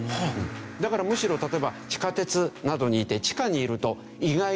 だからむしろ例えば地下鉄などにいて地下にいると意外に安全だ。